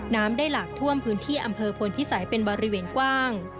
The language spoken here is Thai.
น้ำได้หลากท่วมพื้นที่อำเภอพลพิสัยเป็นบริเวณกว้าง